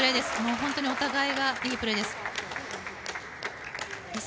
本当にお互いがいいプレーです。